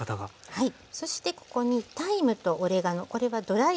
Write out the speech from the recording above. はい。